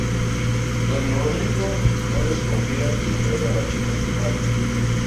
Don Rodrigo no desconfía y entrega la chica a su padre.